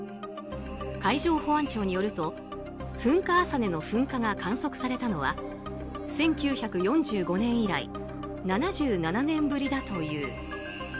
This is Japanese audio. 海上保安庁によると噴火浅根の噴火が観測されたのは１９４５年以来７７年ぶりだという。